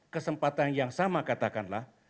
kesempatan yang sama katakanlah